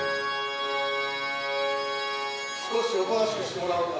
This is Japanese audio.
◆少しおとなしくしてもらおうか。